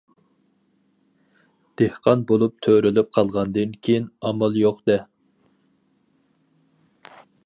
دېھقان بولۇپ تۆرىلىپ قالغاندىكىن، ئامال يوق-دە.